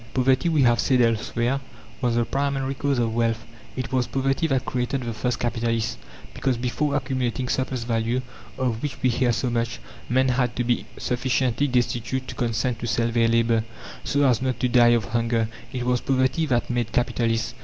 Poverty, we have said elsewhere, was the primary cause of wealth. It was poverty that created the first capitalist; because, before accumulating "surplus value," of which we hear so much, men had to be sufficiently destitute to consent to sell their labour, so as not to die of hunger. It was poverty that made capitalists.